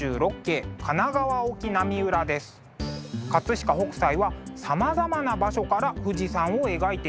飾北斎はさまざまな場所から富士山を描いています。